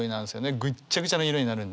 ぐっちゃぐちゃな色になるんで。